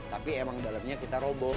tapi emang dalamnya kita roboh